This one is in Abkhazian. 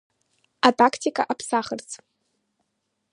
Атактика аԥсахырц.